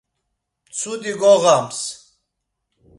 Mtsudi goğams.